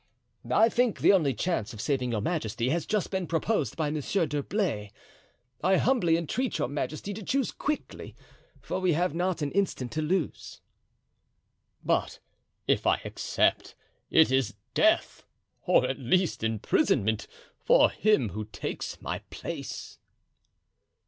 "I think the only chance of saving your majesty has just been proposed by Monsieur d'Herblay. I humbly entreat your majesty to choose quickly, for we have not an instant to lose." "But if I accept, it is death, or at least imprisonment, for him who takes my place."